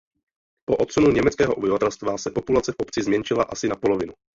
Po odsunu německého obyvatelstva se populace v obci zmenšila asi na polovinu.